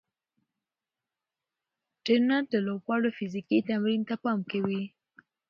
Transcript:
ټرېنر د لوبغاړو فزیکي تمرین ته پام کوي.